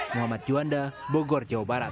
muhammad juanda bogor jawa barat